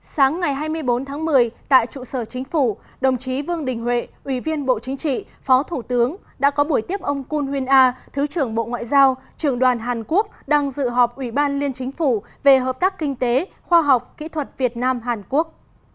sáng ngày hai mươi bốn tháng một mươi tại trụ sở chính phủ đồng chí vương đình huệ ủy viên bộ chính trị phó thủ tướng đã có buổi tiếp ông kun huyen a thứ trưởng bộ ngoại giao trường đoàn hàn quốc đang dự họp ủy ban liên chính phủ về hợp tác kinh tế khoa học kỹ thuật việt nam hàn quốc